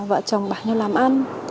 vợ chồng bảo nhau làm ăn